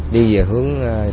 đi về hướng